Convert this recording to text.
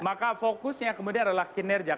maka fokusnya kemudian adalah kinerja